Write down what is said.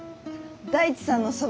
大地さんのそば